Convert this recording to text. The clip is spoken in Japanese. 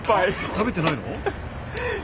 食べてないの？